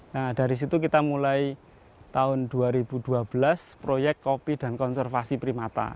nah dari situ kita mulai tahun dua ribu dua belas proyek kopi dan konservasi primata